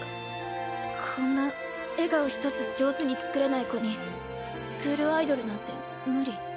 こんな笑顔一つ上手につくれない子にスクールアイドルなんて無理。